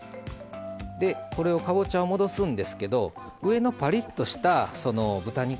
かぼちゃを戻すんですけど上のパリッとした豚肉